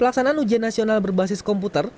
pelaksanaan ujian nasional berbasis komputer